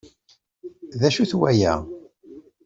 D acu-t waya?